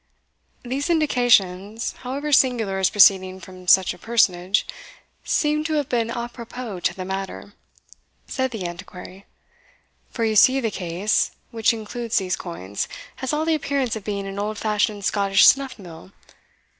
"These indications, however singular as proceeding from such a personage, seem to have been apropos to the matter," said the Antiquary; "for you see the case, which includes these coins, has all the appearance of being an old fashioned Scottish snuff mill.